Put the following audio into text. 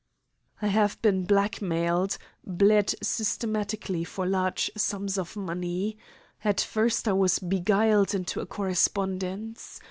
"I have been blackmailed, bled systematically for large sums of money. At first I was beguiled into a correspondence.